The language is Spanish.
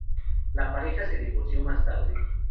La pareja se divorció más tarde.